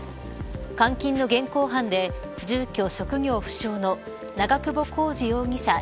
監禁の現行犯で住居、職業不詳の長久保浩二容疑者